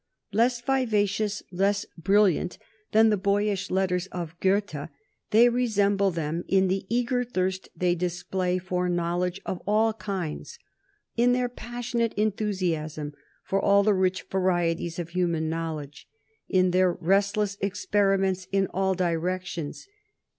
Less vivacious, less brilliant than the boyish letters of Goethe, they resemble them in the eager thirst they display for knowledge of all kinds, in their passionate enthusiasm for all the rich varieties of human knowledge, in their restless experiments in all directions.